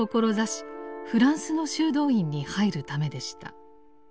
フランスの修道院に入るためでした。